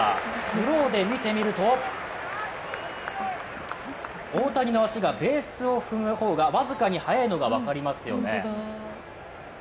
スローで見てみると大谷の足がベースを踏む方が僅かにはやいのが分かりますよね。